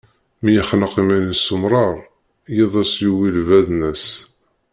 Mi yexneq iman-is s umrar, yid-s yuwi lbaḍna-s.